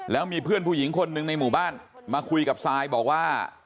แล้วมีเพื่อนผู้หญิงคนหนึ่งในหมู่บ้านมาคุยกับซายบอกว่า